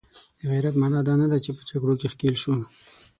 د غیرت معنا دا نه ده چې په جګړو کې ښکیل شو.